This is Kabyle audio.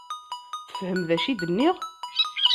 Tefhem d acu i d-nniɣ?